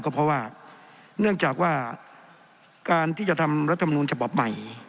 ก็เพราะว่าเนื่องจากว่าการที่จะทำรัฐมนูลฉบับใหม่